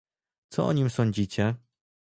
co o nim sądzicie?